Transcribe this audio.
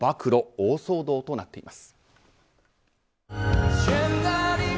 大騒動となっています。